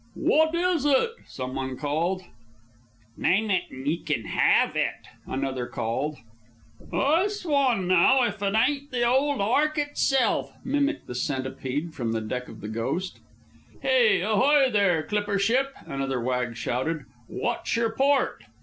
"Wot is it?" some one called. "Name it 'n' ye kin have it!" called another. "I swan naow, ef it ain't the old Ark itself!" mimicked the Centipede from the deck of the Ghost. "Hey! Ahoy there, clipper ship!" another wag shouted. "Wot's yer port?"